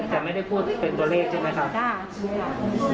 แต่ไม่ได้พูดเป็นตัวเลขใช่ไหมครับ